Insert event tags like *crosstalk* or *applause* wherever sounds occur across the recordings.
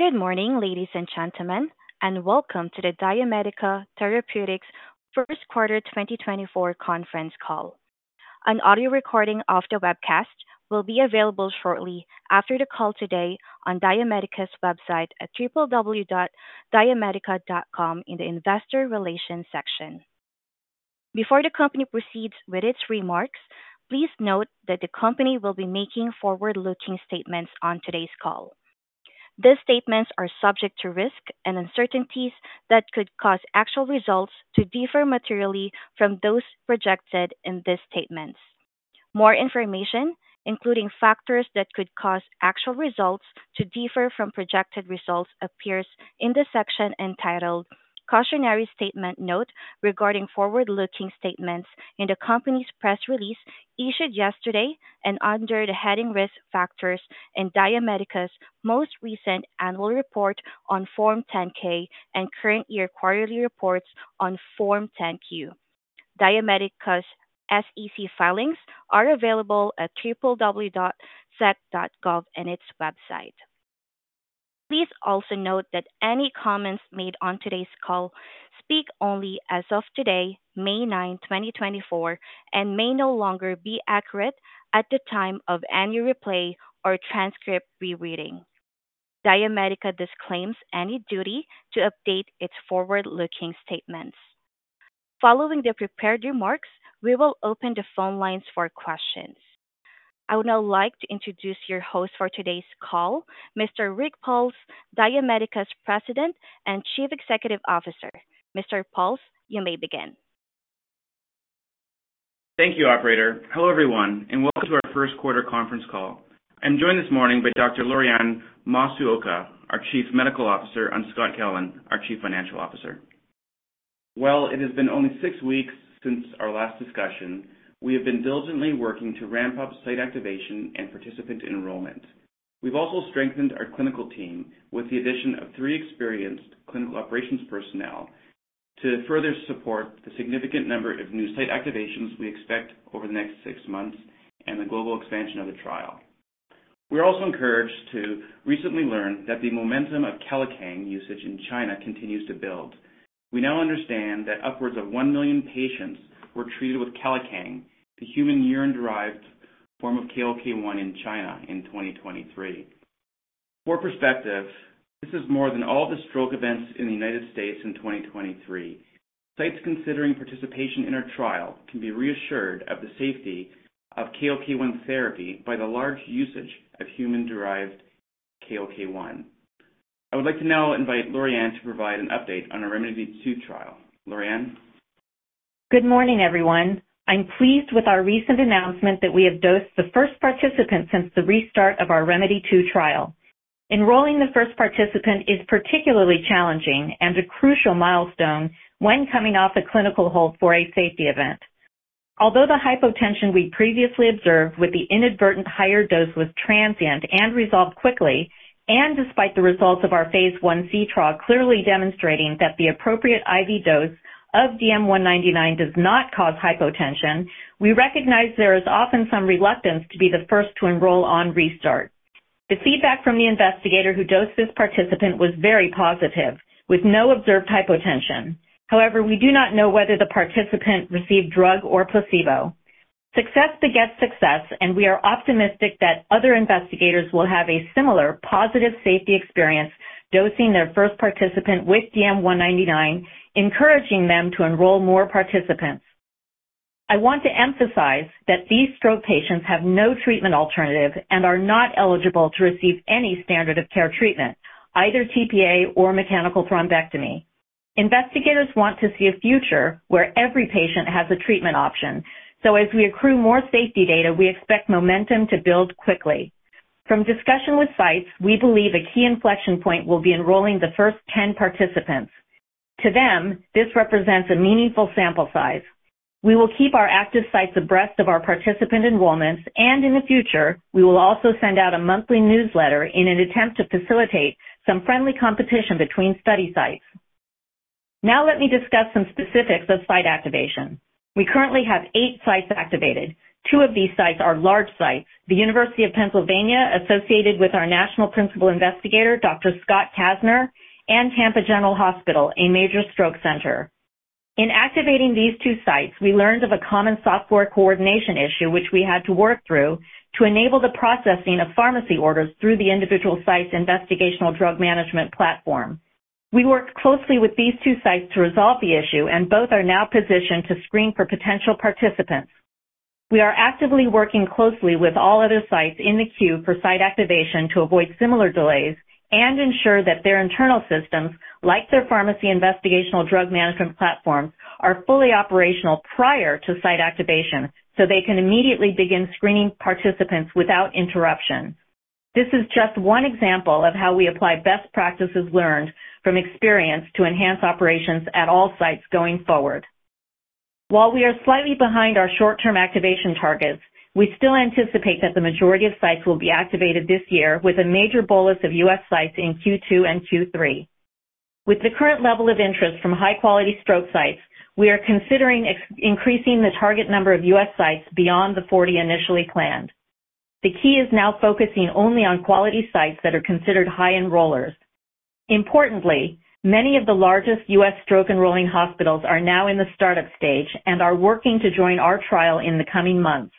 Good morning, ladies and gentlemen, and welcome to the DiaMedica Therapeutics First Quarter 2024 Conference Call. An audio recording of the webcast will be available shortly after the call today on DiaMedica's website at www.diamedica.com in the Investor Relations section. Before the company proceeds with its remarks, please note that the company will be making forward-looking statements on today's call. These statements are subject to risk and uncertainties that could cause actual results to differ materially from those projected in these statements. More information, including factors that could cause actual results to differ from projected results, appears in the section entitled "Cautionary Statement Note Regarding Forward-Looking Statements" in the company's press release issued yesterday and under the heading "Risk Factors in DiaMedica's Most Recent Annual Report on Form 10-K and Current Year Quarterly Reports on Form 10-Q." DiaMedica's SEC filings are available at www.sec.gov and its website. Please also note that any comments made on today's call speak only as of today, May 9, 2024, and may no longer be accurate at the time of any replay or transcript rereading. DiaMedica disclaims any duty to update its forward-looking statements. Following the prepared remarks, we will open the phone lines for questions. I would now like to introduce your host for today's call, Mr. Rick Pauls, DiaMedica's President and Chief Executive Officer. Mr. Pauls, you may begin. Thank you, Operator. Hello, everyone, and welcome to our first quarter conference call. I'm joined this morning by Dr. Lorianne Masuoka, our Chief Medical Officer, and Scott Kellen, our Chief Financial Officer. Well, it has been only six weeks since our last discussion. We have been diligently working to ramp up site activation and participant enrollment. We've also strengthened our clinical team with the addition of three experienced clinical operations personnel to further support the significant number of new site activations we expect over the next six months and the global expansion of the trial. We are also encouraged to recently learn that the momentum of Kailikang usage in China continues to build. We now understand that upwards of 1 million patients were treated with Kailikang, the human urine-derived form of KLK1 in China, in 2023. For perspective, this is more than all the stroke events in the United States in 2023. Sites considering participation in our trial can be reassured of the safety of KLK1 therapy by the large usage of human-derived KLK1. I would like to now invite Lorianne to provide an update on our ReMEDy2 trial. Lorianne? Good morning, everyone. I'm pleased with our recent announcement that we have dosed the first participant since the restart of our ReMEDy2 trial. Enrolling the first participant is particularly challenging and a crucial milestone when coming off a clinical hold for a safety event. Although the hypotension we previously observed with the inadvertent higher dose was transient and resolved quickly, and despite the results of our phase I-C trial clearly demonstrating that the appropriate IV dose of DM199 does not cause hypotension, we recognize there is often some reluctance to be the first to enroll on restart. The feedback from the investigator who dosed this participant was very positive, with no observed hypotension. However, we do not know whether the participant received drug or placebo. Success begets success, and we are optimistic that other investigators will have a similar positive safety experience dosing their first participant with DM199, encouraging them to enroll more participants. I want to emphasize that these stroke patients have no treatment alternative and are not eligible to receive any standard of care treatment, either TPA or mechanical thrombectomy. Investigators want to see a future where every patient has a treatment option, so as we accrue more safety data, we expect momentum to build quickly. From discussion with sites, we believe a key inflection point will be enrolling the first 10 participants. To them, this represents a meaningful sample size. We will keep our active sites abreast of our participant enrollments, and in the future, we will also send out a monthly newsletter in an attempt to facilitate some friendly competition between study sites. Now let me discuss some specifics of site activation. We currently have eight sites activated. Two of these sites are large sites: the University of Pennsylvania, associated with our National Principal Investigator, Dr. Scott Kasner, and Tampa General Hospital, a major stroke center. In activating these two sites, we learned of a common software coordination issue, which we had to work through to enable the processing of pharmacy orders through the individual site's investigational drug management platform. We worked closely with these two sites to resolve the issue, and both are now positioned to screen for potential participants. We are actively working closely with all other sites in the queue for site activation to avoid similar delays and ensure that their internal systems, like their pharmacy investigational drug management platforms, are fully operational prior to site activation so they can immediately begin screening participants without interruption. This is just one example of how we apply best practices learned from experience to enhance operations at all sites going forward. While we are slightly behind our short-term activation targets, we still anticipate that the majority of sites will be activated this year with a major bolus of U.S. sites in Q2 and Q3. With the current level of interest from high-quality stroke sites, we are considering increasing the target number of U.S. sites beyond the 40 initially planned. The key is now focusing only on quality sites that are considered high enrollers. Importantly, many of the largest U.S. stroke-enrolling hospitals are now in the startup stage and are working to join our trial in the coming months.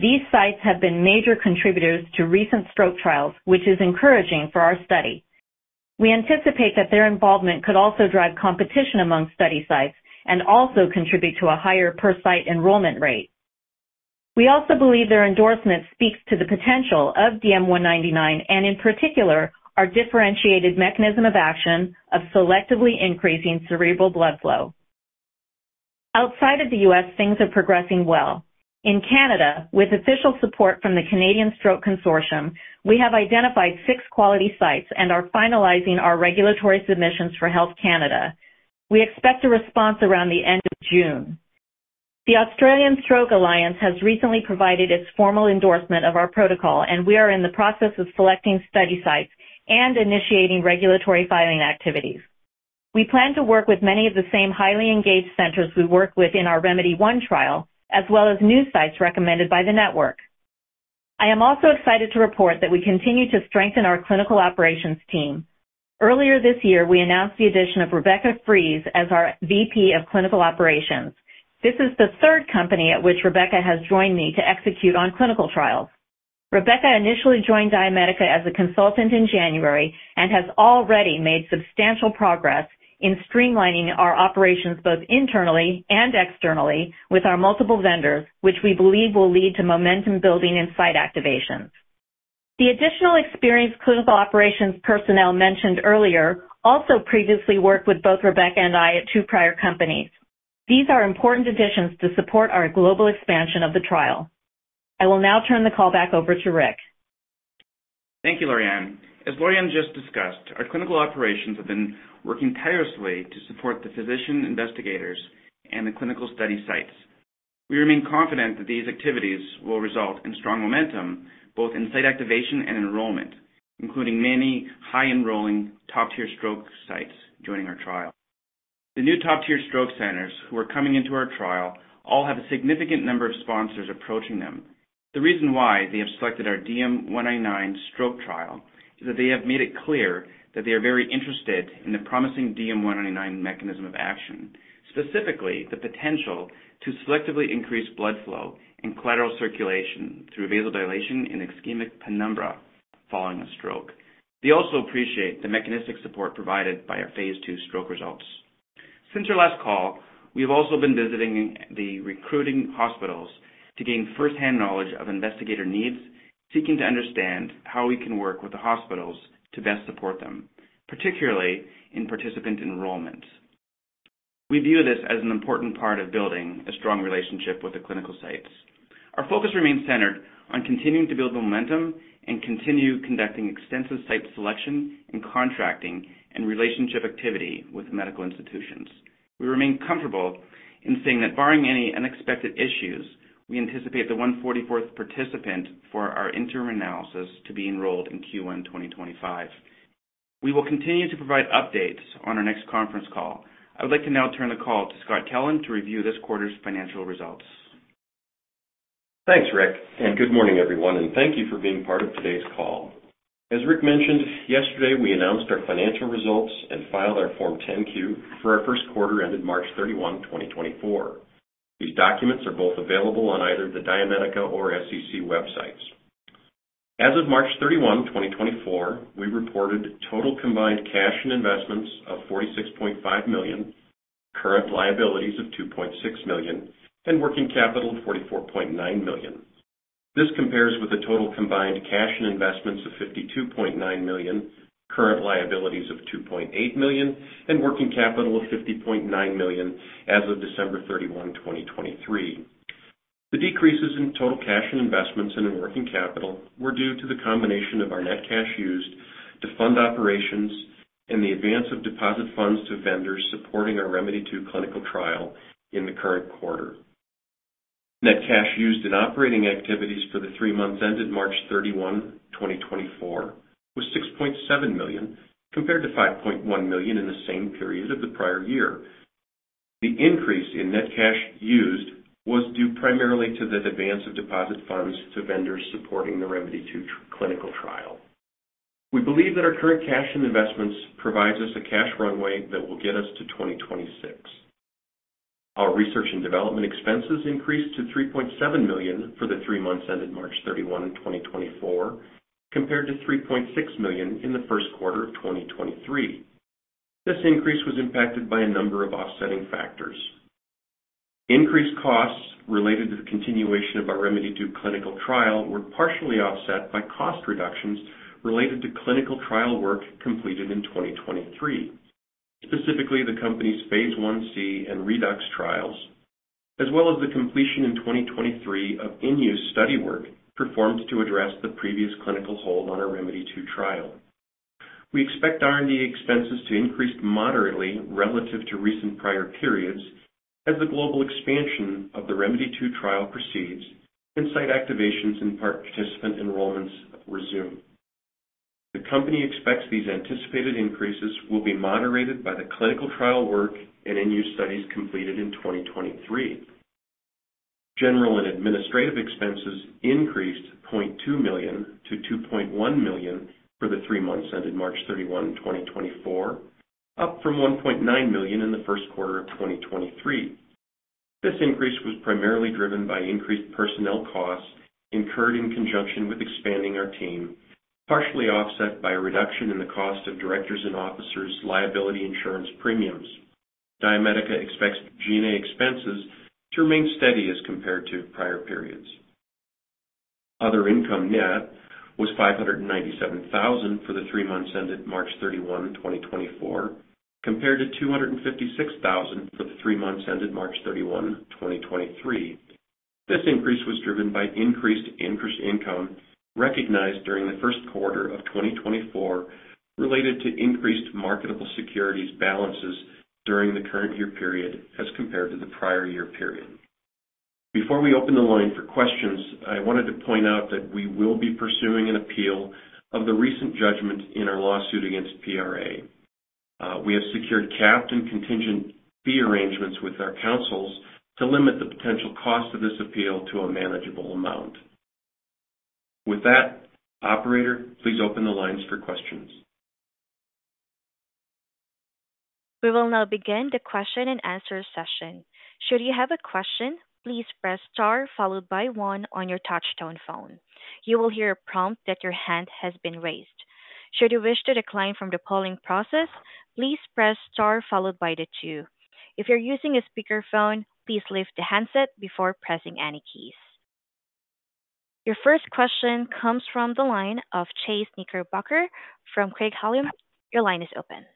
These sites have been major contributors to recent stroke trials, which is encouraging for our study. We anticipate that their involvement could also drive competition among study sites and also contribute to a higher per-site enrollment rate. We also believe their endorsement speaks to the potential of DM199 and, in particular, our differentiated mechanism of action of selectively increasing cerebral blood flow. Outside of the U.S., things are progressing well. In Canada, with official support from the Canadian Stroke Consortium, we have identified six quality sites and are finalizing our regulatory submissions for Health Canada. We expect a response around the end of June. The Australian Stroke Alliance has recently provided its formal endorsement of our protocol, and we are in the process of selecting study sites and initiating regulatory filing activities. We plan to work with many of the same highly engaged centers we work with in our ReMEDy1 trial, as well as new sites recommended by the network. I am also excited to report that we continue to strengthen our clinical operations team. Earlier this year, we announced the addition of Rebekah Fries as our VP of Clinical Operations. This is the third company at which Rebekah has joined me to execute on clinical trials. Rebekah initially joined DiaMedica as a consultant in January and has already made substantial progress in streamlining our operations both internally and externally with our multiple vendors, which we believe will lead to momentum building in site activation. The additional experienced clinical operations personnel mentioned earlier also previously worked with both Rebekah and I at two prior companies. These are important additions to support our global expansion of the trial. I will now turn the call back over to Rick. Thank you, Lorianne. As Lorianne just discussed, our clinical operations have been working tirelessly to support the physician investigators and the clinical study sites. We remain confident that these activities will result in strong momentum both in site activation and enrollment, including many high-enrolling, top-tier stroke sites joining our trial. The new top-tier stroke centers who are coming into our trial all have a significant number of sponsors approaching them. The reason why they have selected our DM199 stroke trial is that they have made it clear that they are very interested in the promising DM199 mechanism of action, specifically the potential to selectively increase blood flow and collateral circulation through vasodilation and ischemic penumbra following a stroke. They also appreciate the mechanistic support provided by our phase II stroke results. Since our last call, we have also been visiting the recruiting hospitals to gain firsthand knowledge of investigator needs, seeking to understand how we can work with the hospitals to best support them, particularly in participant enrollment. We view this as an important part of building a strong relationship with the clinical sites. Our focus remains centered on continuing to build momentum and continue conducting extensive site selection and contracting and relationship activity with medical institutions. We remain comfortable in saying that, barring any unexpected issues, we anticipate the 144th participant for our interim analysis to be enrolled in Q1 2025. We will continue to provide updates on our next conference call. I would like to now turn the call to Scott Kellen to review this quarter's financial results. Thanks, Rick, and good morning, everyone, and thank you for being part of today's call. As Rick mentioned, yesterday we announced our financial results and filed our Form 10-Q for our first quarter ended March 31, 2024. These documents are both available on either the DiaMedica or SEC websites. As of March 31, 2024, we reported total combined cash and investments of $46.5 million, current liabilities of $2.6 million, and working capital of $44.9 million. This compares with the total combined cash and investments of $52.9 million, current liabilities of $2.8 million, and working capital of $50.9 million as of December 31, 2023. The decreases in total cash and investments and in working capital were due to the combination of our net cash used to fund operations and the advance of deposit funds to vendors supporting our ReMEDy2 clinical trial in the current quarter. Net cash used in operating activities for the three months ended March 31, 2024, was $6.7 million, compared to $5.1 million in the same period of the prior year. The increase in net cash used was due primarily to the advance of deposit funds to vendors supporting the ReMEDy2 clinical trial. We believe that our current cash and investments provide us a cash runway that will get us to 2026. Our research and development expenses increased to $3.7 million for the three months ended March 31, 2024, compared to $3.6 million in the first quarter of 2023. This increase was impacted by a number of offsetting factors. Increased costs related to the continuation of our ReMEDy2 clinical trial were partially offset by cost reductions related to clinical trial work completed in 2023, specifically the company's phase I-C and REDUX trials, as well as the completion in 2023 of in-use study work performed to address the previous clinical hold on our ReMEDy2 trial. We expect R&D expenses to increase moderately relative to recent prior periods as the global expansion of the ReMEDy2 trial proceeds and site activations and participant enrollments resume. The company expects these anticipated increases will be moderated by the clinical trial work and in-use studies completed in 2023. General and administrative expenses increased $0.2 million to $2.1 million for the three months ended March 31, 2024, up from $1.9 million in the first quarter of 2023. This increase was primarily driven by increased personnel costs incurred in conjunction with expanding our team, partially offset by a reduction in the cost of directors and officers' liability insurance premiums. DiaMedica expects G&A expenses to remain steady as compared to prior periods. Other income net was $597,000 for the three months ended March 31, 2024, compared to $256,000 for the three months ended March 31, 2023. This increase was driven by increased interest income recognized during the first quarter of 2024 related to increased marketable securities balances during the current year period as compared to the prior year period. Before we open the line for questions, I wanted to point out that we will be pursuing an appeal of the recent judgment in our lawsuit against PRA. We have secured capped and contingent fee arrangements with our counsels to limit the potential cost of this appeal to a manageable amount. With that, operator, please open the lines for questions. We will now begin the question-and-answer session. Should you have a question, please press star followed by one on your touch-tone phone. You will hear a prompt that your hand has been raised. Should you wish to decline from the polling process, please press star followed by the two. If you're using a speakerphone, please lift the handset before pressing any keys. Your first question comes from the line of Chase Knickerbocker from Craig-Hallum. Your line is open.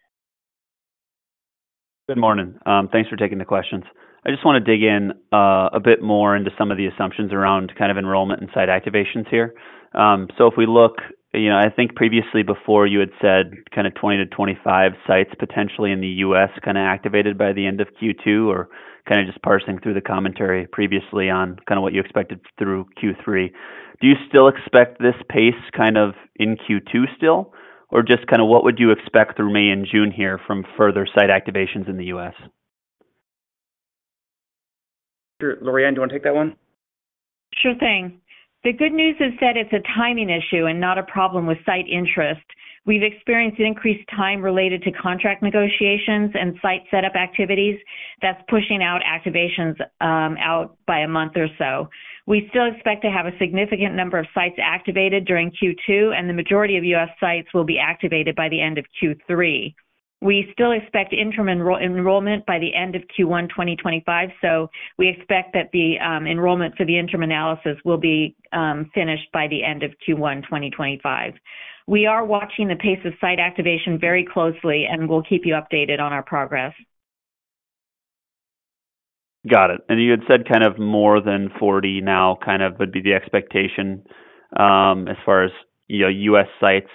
Good morning. Thanks for taking the questions. I just want to dig in a bit more into some of the assumptions around kind of enrollment and site activations here. So if we look, I think previously before you had said kind of 20-25 sites potentially in the U.S. kind of activated by the end of Q2 or kind of just parsing through the commentary previously on kind of what you expected through Q3, do you still expect this pace kind of in Q2 still, or just kind of what would you expect through May and June here from further site activations in the U.S.? Sure. Lorianne, do you want to take that one? Sure thing. The good news is that it's a timing issue and not a problem with site interest. We've experienced increased time related to contract negotiations and site setup activities that's pushing activations out by a month or so. We still expect to have a significant number of sites activated during Q2, and the majority of U.S. sites will be activated by the end of Q3. We still expect interim enrollment by the end of Q1 2025, so we expect that the enrollment for the interim analysis will be finished by the end of Q1 2025. We are watching the pace of site activation very closely, and we'll keep you updated on our progress. Got it. You had said kind of more than 40 now kind of would be the expectation as far as U.S. sites.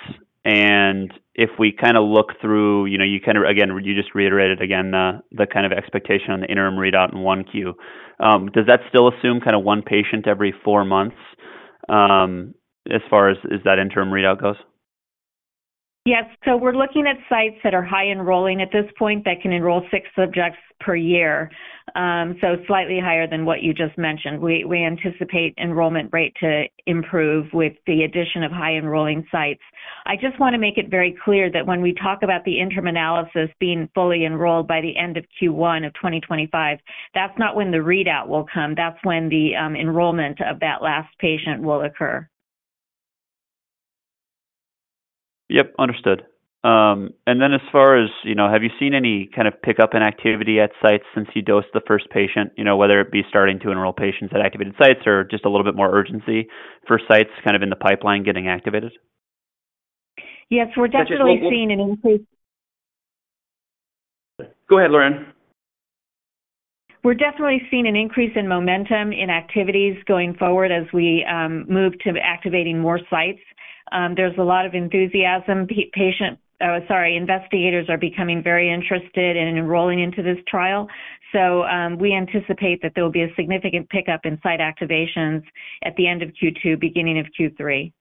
If we kind of look through, you kind of again, you just reiterated again the kind of expectation on the interim readout in 1Q. Does that still assume kind of one patient every four months as far as that interim readout goes? Yes. So we're looking at sites that are high enrolling at this point that can enroll six subjects per year, so slightly higher than what you just mentioned. We anticipate enrollment rate to improve with the addition of high enrolling sites. I just want to make it very clear that when we talk about the interim analysis being fully enrolled by the end of Q1 of 2025, that's not when the readout will come. That's when the enrollment of that last patient will occur. Yep, understood. And then as far as have you seen any kind of pickup in activity at sites since you dosed the first patient, whether it be starting to enroll patients at activated sites or just a little bit more urgency for sites kind of in the pipeline getting activated? Yes. We're *crosstalk* definitely seeing an increase. Go ahead, Lorianne. We're definitely seeing an increase in momentum in activities going forward as we move to activating more sites. There's a lot of enthusiasm. Investigators are becoming very interested in enrolling into this trial, so we anticipate that there will be a significant pickup in site activations at the end of Q2, beginning of Q3.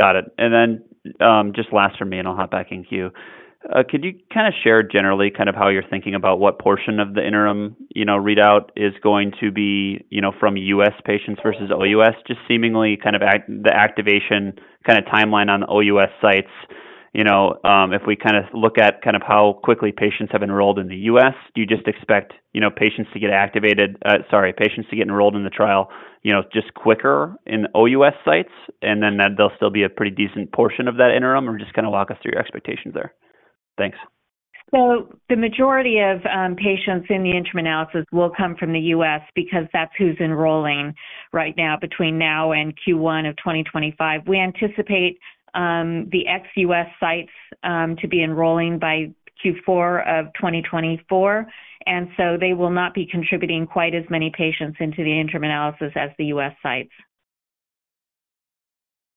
Got it. And then just last from me, and I'll hop back in queue. Could you kind of share generally kind of how you're thinking about what portion of the interim readout is going to be from U.S. patients versus OUS, just seemingly kind of the activation kind of timeline on the OUS sites? If we kind of look at kind of how quickly patients have enrolled in the U.S., do you just expect patients to get activated sorry, patients to get enrolled in the trial just quicker in OUS sites, and then that there'll still be a pretty decent portion of that interim, or just kind of walk us through your expectations there? Thanks. So the majority of patients in the interim analysis will come from the U.S. because that's who's enrolling right now between now and Q1 of 2025. We anticipate the ex-U.S. sites to be enrolling by Q4 of 2024, and so they will not be contributing quite as many patients into the interim analysis as the U.S. sites.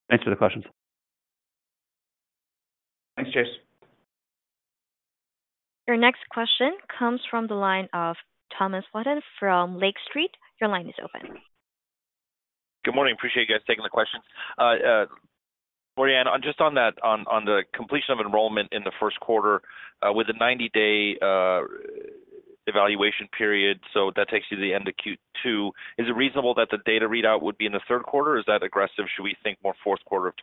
Thanks for the questions. Thanks, Chase. Your next question comes from the line of Thomas Flaten from Lake Street. Your line is open. Good morning. Appreciate you guys taking the questions. Lorianne, just on the completion of enrollment in the first quarter with a 90-day evaluation period, so that takes you to the end of Q2, is it reasonable that the data readout would be in the third quarter? Is that aggressive? Should we think more fourth quarter of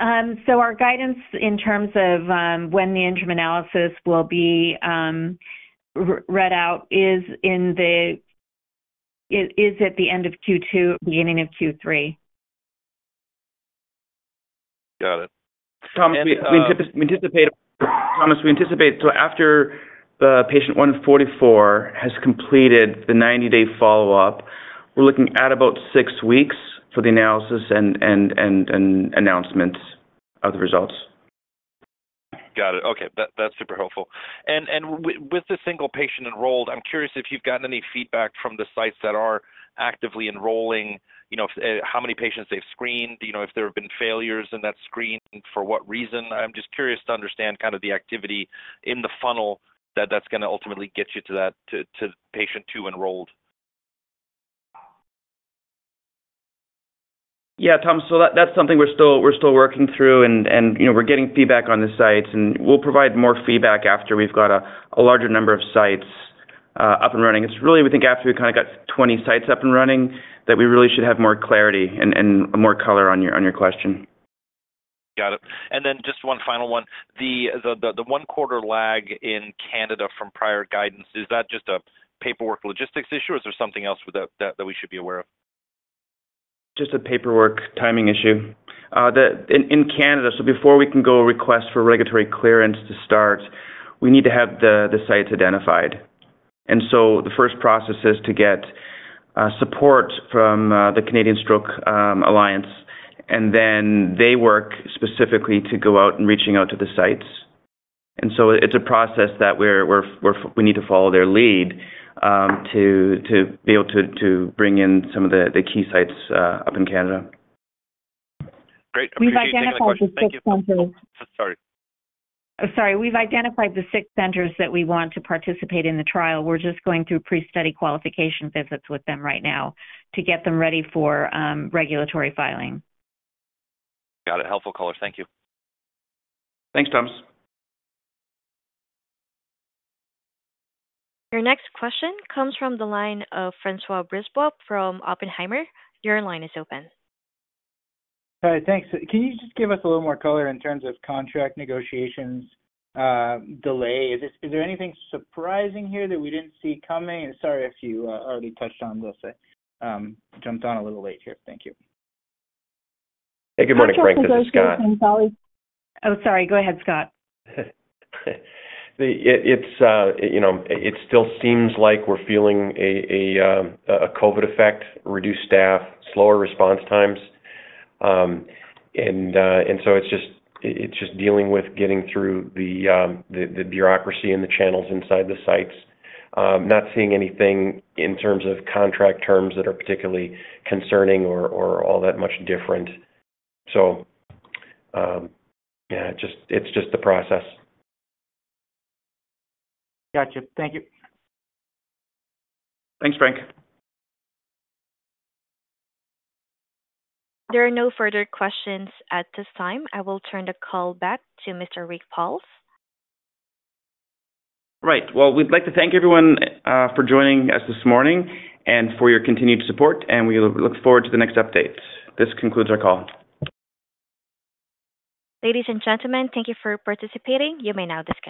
2025? Our guidance in terms of when the interim analysis will be read out is at the end of Q2, beginning of Q3. Got it. Thomas, *crosstalk* we anticipate so after the patient 144 has completed the 90-day follow-up, we're looking at about six weeks for the analysis and announcements of the results. Got it. Okay. That's super helpful. With the single patient enrolled, I'm curious if you've gotten any feedback from the sites that are actively enrolling, how many patients they've screened, if there have been failures in that screen, for what reason. I'm just curious to understand kind of the activity in the funnel that that's going to ultimately get you to that to patient two enrolled. Yeah, Thomas, so that's something we're still working through, and we're getting feedback on the sites, and we'll provide more feedback after we've got a larger number of sites up and running. It's really, we think, after we kind of got 20 sites up and running that we really should have more clarity and more color on your question. Got it. And then just one final one. The 1-quarter lag in Canada from prior guidance, is that just a paperwork logistics issue, or is there something else that we should be aware of? Just a paperwork timing issue. In Canada, so before we can go request for regulatory clearance to start, we need to have the sites identified. The first process is to get support from the Canadian Stroke Alliance, and then they work specifically to go out and reach out to the sites. It's a process that we need to follow their lead to be able to bring in some of the key sites up in Canada. Great. Appreciate *crosstalk* your time. We've identified the six centers. Sorry. Sorry. We've identified the six centers that we want to participate in the trial. We're just going through pre-study qualification visits with them right now to get them ready for regulatory filing. Got it. Helpful color. Thank you. Thanks, Thomas. Your next question comes from the line of François Brisebois from Oppenheimer. Your line is open. Hi. Thanks. Can you just give us a little more color in terms of contract negotiations delay? Is there anything surprising here that we didn't see coming? Sorry if you already touched on this. I jumped on a little late here. Thank you. Hey, good morning, *crosstalk* Frank. This is Scott. Oh, sorry. Go ahead, Scott. It still seems like we're feeling a COVID effect, reduced staff, slower response times. And so it's just dealing with getting through the bureaucracy and the channels inside the sites, not seeing anything in terms of contract terms that are particularly concerning or all that much different. So yeah, it's just the process. Gotcha. Thank you. Thanks, Frank. There are no further questions at this time. I will turn the call back to Mr. Rick Pauls. Right. Well, we'd like to thank everyone for joining us this morning and for your continued support, and we look forward to the next updates. This concludes our call. Ladies and gentlemen, thank you for participating. You may now disconnect.